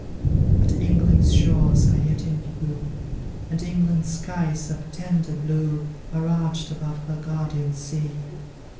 But England's shores are yet in view, And England's skies of tender blue Are arched above her guardian sea.